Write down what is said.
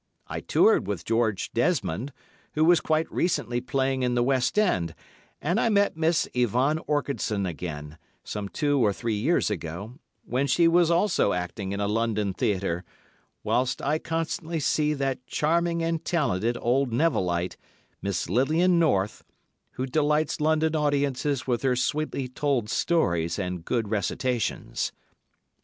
I toured with George Desmond, who was quite recently playing in the West End, and I met Miss Yvonne Orchardson again, some two or more years ago, when she was also acting in a London theatre, whilst I constantly see that charming and talented old Nevillite, Miss Lilian North, who delights London audiences with her sweetly told stories and good recitations.